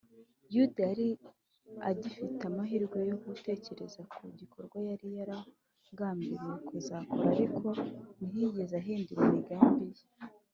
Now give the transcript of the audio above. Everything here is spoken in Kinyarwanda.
yuda yari agifite amahirwe yo gutekereza ku gikorwa yari yaragambiriye kuzakora, ariko ntiyigeze ahindura imigambi ye